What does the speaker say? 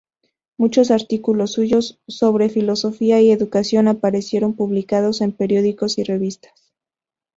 Muchos artículos suyos sobre filosofía y educación aparecieron publicados en periódicos y revistas.